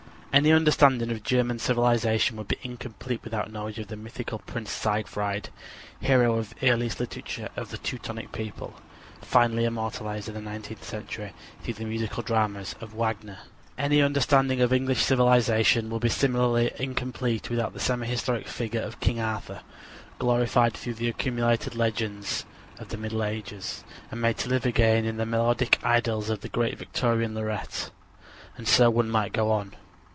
Any understanding of German civilization would be incomplete without knowledge of the mythical prince Siegfried, hero of the earliest literature of the Teutonic people, finally immortalized in the nineteenth century through the musical dramas of Wagner. Any understanding of English civilization would be similarly incomplete without the semi historic figure of King Arthur, glorified through the accumulated legends of the Middle Ages and made to live again in the melodic idylls of the great Victorian laureate. And so one might go on.